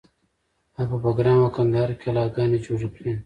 هغه په بګرام او کندهار کې کلاګانې جوړې کړې